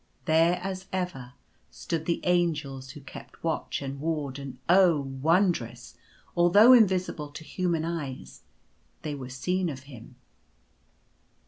There, as ever, stood the Angels who kept watch and ward, and oh, wondrous ! although invisible to human eyes, they were seen of him.